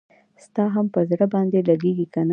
ستا هم پر زړه باندي لګیږي کنه؟